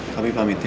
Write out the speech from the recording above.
kami pamit ya